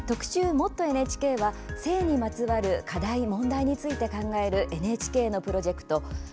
「もっとＮＨＫ」は性にまつわる課題、問題について考えるＮＨＫのプロジェクト